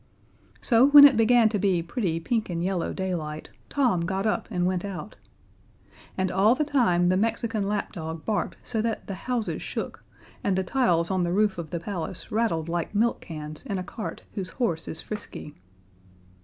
So when it began to be pretty pink and yellow daylight, Tom got up and went out. And all the time the Mexican lapdog barked so that the houses shook, and the tiles on the roof of the palace rattled like milk cans in a cart whose horse is frisky.